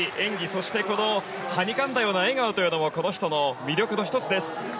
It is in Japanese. そして、このはにかんだような笑顔というのもこの人の魅力の１つです。